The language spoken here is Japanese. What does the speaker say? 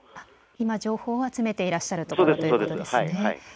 今、情報を集めていらっしゃるということですね。